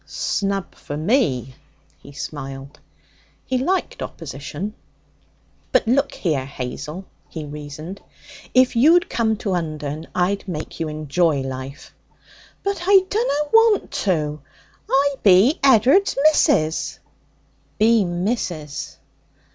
'Snub for me!' he smiled. He liked opposition. 'But look here, Hazel,' he reasoned. 'If you'd come to Undern, I'd make you enjoy life.' 'But I dunna want to. I be Ed'ard's missus.' 'Be missus!'